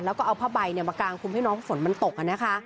แล้วก็เอาผ้าใบมากลางคุมให้พี่น้องมันตก